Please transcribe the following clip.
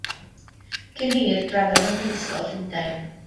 Cyn hir, graddiodd ym Mhrifysgol Llundain.